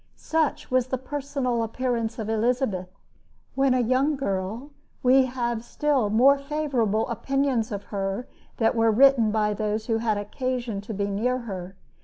Such was the personal appearance of Elizabeth. When a young girl, we have still more favorable opinions of her that were written by those who had occasion to be near her.